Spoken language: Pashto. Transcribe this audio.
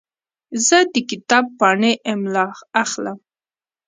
زه د کتاب پاڼې املا اخلم.